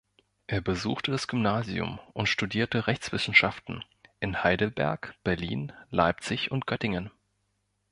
Er besuchte das Gymnasium und studierte Rechtswissenschaften in Heidelberg, Berlin, Leipzig und Göttingen.